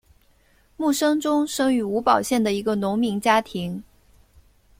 慕生忠生于吴堡县的一个农民家庭。